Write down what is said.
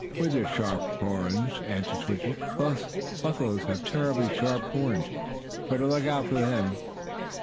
"With their sharp horns," answered Switchie. "Buffaloes have terribly sharp horns. Better look out for them.